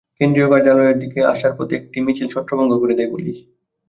কেন্দ্রীয় কার্যালয়ের দিকে আসার পথে একটি মিছিল ছত্রভঙ্গ করে দেয় পুলিশ।